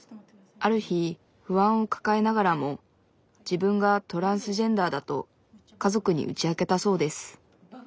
ある日不安を抱えながらも自分がトランスジェンダーだと家族に打ち明けたそうです。